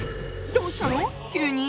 どうしたの⁉急に。